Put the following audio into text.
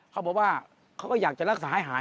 เขาบอกว่าเขาก็อยากจะรักษาให้หาย